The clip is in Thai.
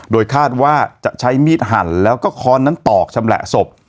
โดยคาดว่าจะใช้มีดหั่นแล้วก็ค้อนนั้นตอกชำแหละศพ